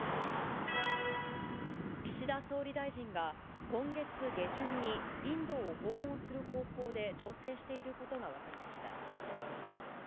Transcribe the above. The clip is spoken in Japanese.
岸田総理大臣が、今月下旬に、インドを訪問する方向で調整していることが分かりました。